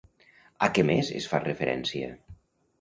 A què més es fa referència?